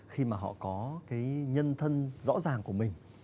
khi mà họ có cái nhân thân rõ ràng của mình